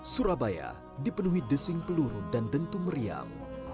surabaya dipenuhi desing peluru dan dentu meriam